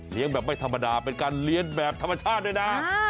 เลี้ยงแบบไม่ธรรมดาเป็นการเลี้ยนแบบธรรมชาติเลยนะ